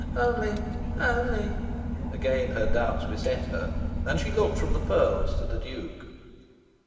"Only only " again her doubts beset her and she looked from the pearls to the Duke.